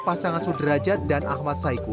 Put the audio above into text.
pasangan sudrajat dan ahmad saiku